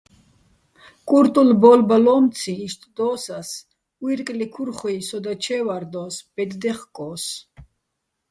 კურტულ ბო́ლბალომციჼ იშტ დო́ს ას: უ́ჲრკლი- ქურხუ́ჲ სოდა ჩე́ვარდოს, ბედ დეხკო́ს.